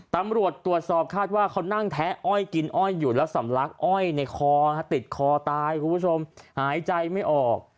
ตำรวจตรวจสอบคาดว่าเขานั่งแทะอ้อยกินอ้อยอยู่แล้วสำลักอ้อยในคอติดคอตายคุณผู้ชมหายใจไม่ออก